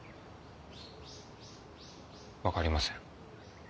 分かりません。